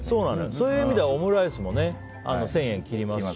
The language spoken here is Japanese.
そういう意味ではオムライスも１０００円切りますし。